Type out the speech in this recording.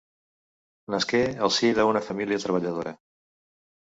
Nasqué al si d'una família treballadora.